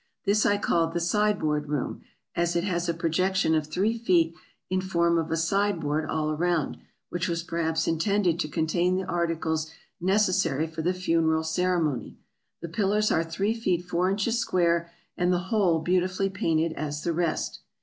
This I called the Sideboard Room, as it has a projection of three feet in form of a sideboard all around, which was perhaps intended to contain the articles necessary for the funeral ceremony. The pillars are three feet four inches square, and the whole beautifully painted as the rest.